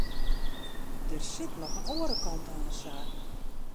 Der sit noch in oare kant oan de saak.